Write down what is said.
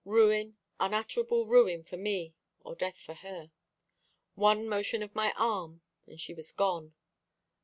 Ruin, unutterable ruin for me, or death for her. One motion of my arm, and she was gone.